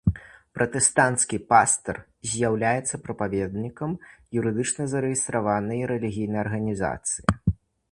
Пратэстанцкі пастар з'яўляецца прапаведнікам юрыдычна зарэгістраванай рэлігійнай арганізацыі.